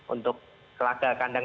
untuk kelaga kandang